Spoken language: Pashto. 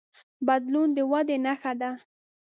بدلون د ودې نښه ده.